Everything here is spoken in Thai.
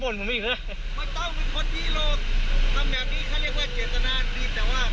ไม่ครับผมปิดค่อยแล้วนะครับเป็นทรัพย์สินส่วนตัว